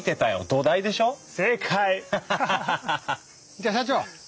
じゃ社長！